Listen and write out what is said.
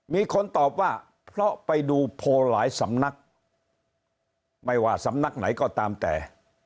มีคนตอบว่าเพราะไปดูโพลหลายสำนักไม่ว่าสำนักไหนก็ตามแต่